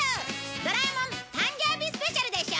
『ドラえもん誕生日スペシャル』で紹介するよ！